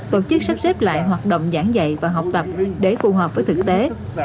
tổ chức sắp xếp lại hoạt động giảng dạy và học tập để phù hợp với thực tế